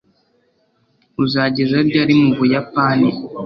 uzageza ryari mu buyapani